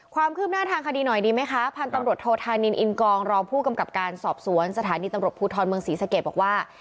ความคืบหน้าทางคดีหน่อยดีไหมคะพันธุ์ตำรวจโทธานินอินกองรองผู้กำกับการสอบสวนสถานีตำรวจภูทรเมืองศรีสะเกดบอกว่า